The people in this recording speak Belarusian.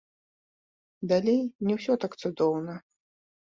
Далей не ўсё так цудоўна.